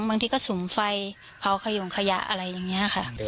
บางทีก็สุมไฟเผาขยงขยะอะไรอย่างนี้ค่ะ